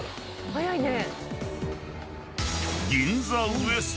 早いね。